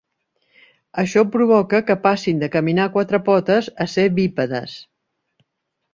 Això provoca que passin de caminar a quatre potes a ser bípedes.